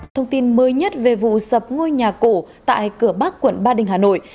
thông tin mới nhất về vụ sập ngôi nhà cổ tại cửa bắc quận ba đình hà nội